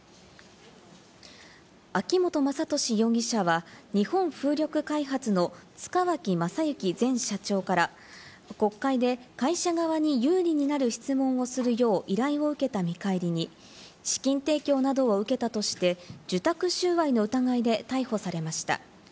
秋本真利容疑者は日本風力開発の塚脇正幸前社長から国会で会社側に有利になる質問をするよう依頼を受けた見返りに、資金提供などを受けたとして、受託収賄の疑いで逮捕されました。